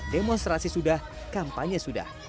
demonstrasi sudah kampanye sudah